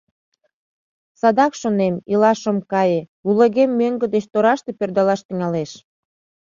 Садак, шонем, илаш ом кае, лулегем мӧҥгӧ деч тораште пӧрдалаш тӱҥалеш.